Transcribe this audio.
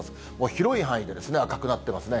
広い範囲で赤くなってますね。